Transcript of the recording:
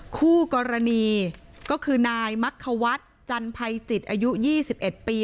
คู่กรณีก็คือนายมักควัฒน์จันภัยจิตอายุ๒๑ปี